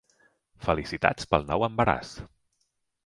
Felicitats pel nou embaràs.